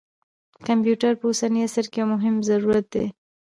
کمپیوټر په اوسني عصر کې یو مهم ضرورت دی.